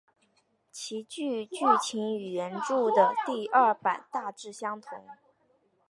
其剧剧情与原着的第二版大致相同。